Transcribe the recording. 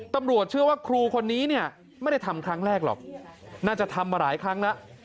ตำรวจเชื่อว่าครูคนนี้เนี่ยไม่ได้ทำครั้งแรกหรอกน่าจะทำมาหลายครั้งแล้ว